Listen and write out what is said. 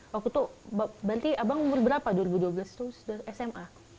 waktu itu berarti abang umur berapa dua ribu dua belas terus sma